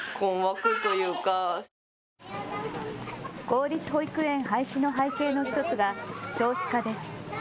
公立保育園廃止の背景の１つが少子化です。